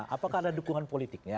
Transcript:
apakah ada dukungan politik